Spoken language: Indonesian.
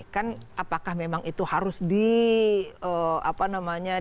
kan apakah memang itu harus di apa namanya